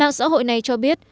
mạng xã hội này cho biết